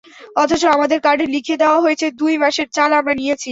অথচ আমাদের কার্ডে লিখে দেওয়া হয়েছে দুই মাসের চাল আমরা নিয়েছি।